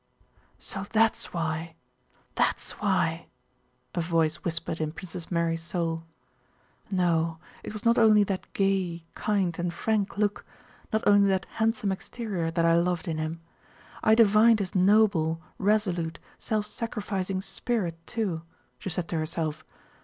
"So that's why! That's why!" a voice whispered in Princess Mary's soul. "No, it was not only that gay, kind, and frank look, not only that handsome exterior, that I loved in him. I divined his noble, resolute, self sacrificing spirit too," she said to herself.